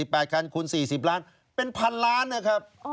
เป็น๑๐๔๐ล้างเป็น๑๐๐๐ล้านนะครับ